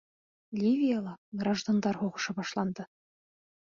Ливияла граждандар һуғышы башланды.